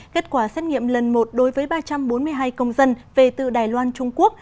kết quả xét nghiệm lần một đối với ba trăm bốn mươi hai công dân về từ đài loan trung quốc